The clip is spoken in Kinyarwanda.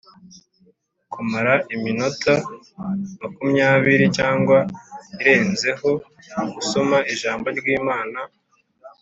kumara iminota makumyabiri cyangwa irenzeho usoma Ijambo ry Imana